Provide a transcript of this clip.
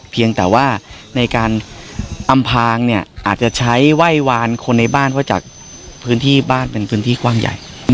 เพียงแต่ว่าในการอำพางเนี่ยอาจจะใช้ไหว้วานคนในบ้านเพราะจากพื้นที่บ้านเป็นพื้นที่กว้างใหญ่